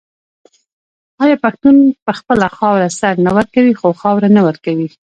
آیا پښتون په خپله خاوره سر نه ورکوي خو خاوره نه ورکوي؟